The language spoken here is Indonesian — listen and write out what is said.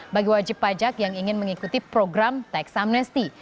bagi wajib pajak yang ingin mengikuti program tax amnesty